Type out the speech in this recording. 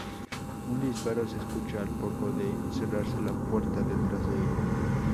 Un disparo se escucha al poco de cerrarse la puerta detrás de ella.